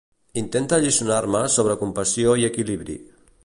Intenta alliçonar-me sobre compassió i equilibri.